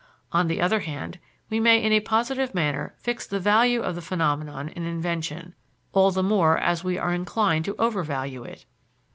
On the other hand, we may in a positive manner fix the value of the phenomenon in invention, all the more as we are inclined to over value it.